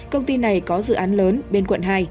công ty này có dự án lớn bên quận hai